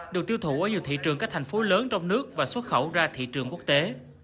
được tiêu thụ ở nhiều thị trường các thành phố lớn trong nước và xuất khẩu ra thị trường quốc tế